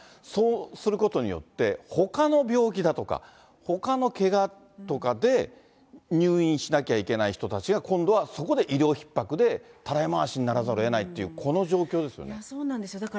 そうすることによって、ほかの病気だとか、ほかのけがとかで入院しなきゃいけない人たちが、今度はそこで医療ひっ迫でたらい回しにならざるをえないという、そうなんですよ。